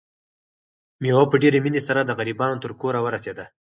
مېوه په ډېرې مینې سره د غریبانو تر کوره ورسېده.